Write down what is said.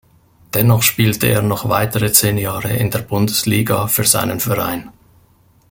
Dennoch spielte er noch weitere zehn Jahre in der Bundesliga für seinen Verein.